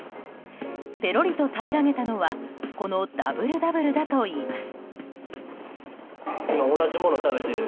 ぺろりと平らげたのはこのダブルダブルだといいます。